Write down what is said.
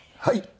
はい。